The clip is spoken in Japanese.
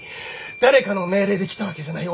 誰かの命令で来たわけじゃない。